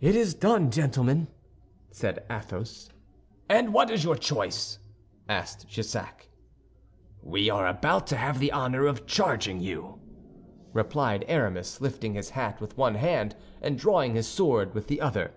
"It is done, gentlemen," said Athos. "And what is your choice?" asked Jussac. "We are about to have the honor of charging you," replied Aramis, lifting his hat with one hand and drawing his sword with the other.